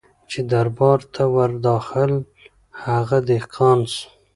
چي دربار ته ور داخل هغه دهقان سو